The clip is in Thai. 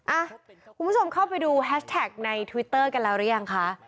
คุณผู้ชมเข้าไปดูแฮชแท็กในทวิตเตอร์กันแล้วหรือยังคะ